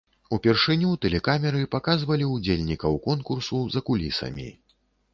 Упершыню тэлекамеры паказвалі ўдзельнікаў конкурсу за кулісамі.